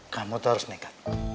kamu tuh harus nekat